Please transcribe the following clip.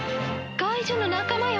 怪獣の仲間よ。